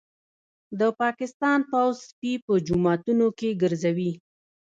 د پاکستان پوځ سپي په جوماتونو کي ګرځوي